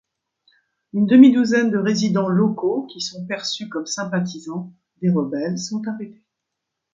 Une demi-douzaine de résidents locaux qui sont perçus comme sympathisants des rebelles sont arrêtés.